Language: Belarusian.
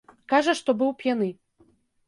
Кажа, што быў п'яны.